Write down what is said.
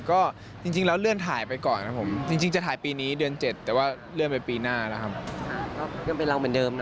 ก็เริ่มเป็นรังเหมือนเดิมเนาะ